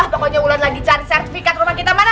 pokoknya bulan lagi cari sertifikat rumah kita mana